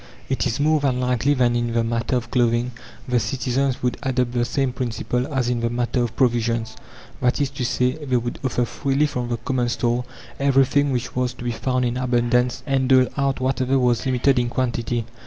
It is more than likely that in the matter of clothing the citizens would adopt the same principle as in the matter of provisions that is to say, they would offer freely from the common store everything which was to be found in abundance, and dole out whatever was limited in quantity.